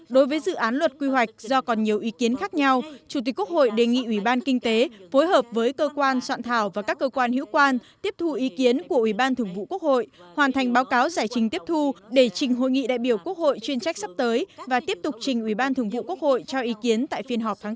đối với dự án luật quy hoạch do còn nhiều ý kiến khác nhau chủ tịch quốc hội đề nghị ủy ban kinh tế phối hợp với cơ quan soạn thảo và các cơ quan hữu quan tiếp thu ý kiến của ủy ban thường vụ quốc hội hoàn thành báo cáo giải trình tiếp thu để trình hội nghị đại biểu quốc hội chuyên trách sắp tới và tiếp tục trình ủy ban thường vụ quốc hội cho ý kiến tại phiên họp tháng bốn